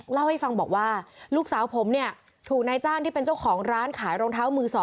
เล่าให้ฟังบอกว่าลูกสาวผมเนี่ยถูกนายจ้างที่เป็นเจ้าของร้านขายรองเท้ามือ๒